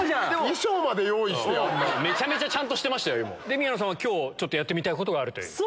宮野さんは今日やってみたいことがあるという。